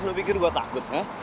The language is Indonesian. lo bikin gue takut ha